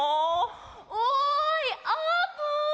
おいあーぷん！